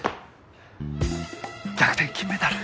逆転金メダル。